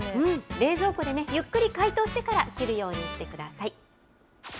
冷蔵庫でゆっくり解凍してから切るようにしてください。